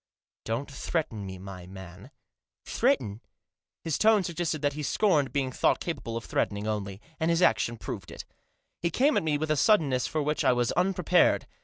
Don't threaten me, my man," " Threaten ?" His tone suggested that he scorned being thought capable of threatening only, and his action proved it. He came at me with a suddenness for which I was unprepared.